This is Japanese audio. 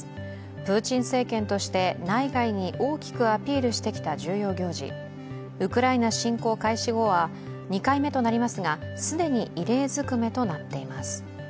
プーチン政権として内外に大きくアピールしてきた重要行事、ウクライナ侵攻開始後は２回目となりますが既に異例ずくめとなっています。